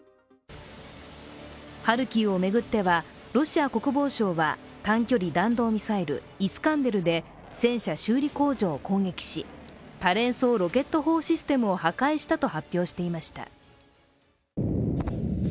ハルキウを巡ってはロシア国防省は短距離弾道ミサイル、イスカンデルで、戦車修理工場を攻撃し多連装ロケット砲システムを破壊したと発表していました。